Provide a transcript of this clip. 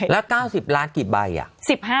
แล้ว๙๐ล้านกี่ใบอ่ะ